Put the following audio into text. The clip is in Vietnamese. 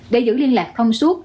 để giữ liên lạc thông suốt